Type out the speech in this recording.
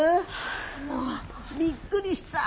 もうびっくりした。